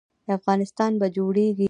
افغانستان به جوړیږي